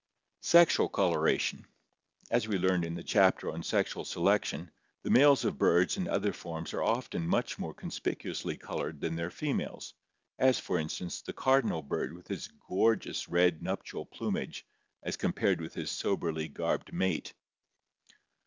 Sexual Coloration* — As we learned in the chapter on sexual selection, the males of birds and other forms are often much more conspicuously colored than their females, as for instance, the car dinal bird with his gorgeous red nuptial plumage as compared with his soberly garbed mate.